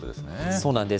そうなんです。